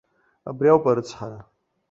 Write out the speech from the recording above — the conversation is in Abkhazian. Абри ауп арыцҳара!